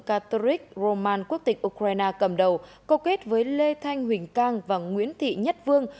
catherric roman quốc tịch ukraine cầm đầu câu kết với lê thanh huỳnh cang và nguyễn thị nhất vương